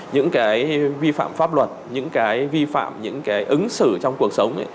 những cái vi phạm pháp luật những cái vi phạm những cái ứng xử trong cuộc sống ấy